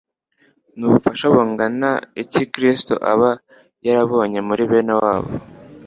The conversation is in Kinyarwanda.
Ni ubufasha bungana iki Kristo aba yarabonye muri bene wabo